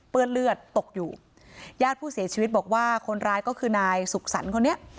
เลือดเลือดตกอยู่ญาติผู้เสียชีวิตบอกว่าคนร้ายก็คือนายสุขสรรค์คนนี้